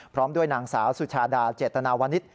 พร้อมด้วยนางสาวสุชาดาเจตนาวนิษฐ